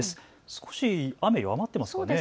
少し雨弱まっていますよね。